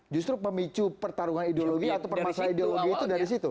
justru pemicu pertarungan ideologi atau permasalahan ideologi itu dari situ